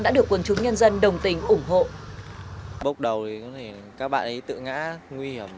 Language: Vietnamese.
đã được quần chúng nhân dân đồng tình ủng hộ